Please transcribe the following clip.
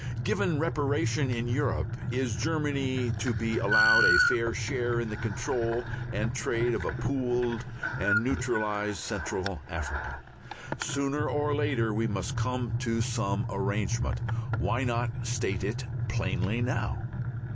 Given reparation in Europe, is Germany to be allowed a fair share in the control and trade of a pooled and neutralized Central Africa? Sooner or later we must come to some such arrangement. Why not state it plainly now?